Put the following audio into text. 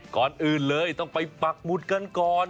ก่อนอื่นเลยต้องไปปักหมุดกันก่อน